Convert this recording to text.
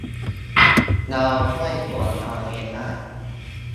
เราช่วยส่วนเราเองได้